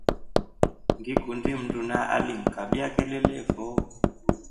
Ngikundi mndu alingikabia kelele fo.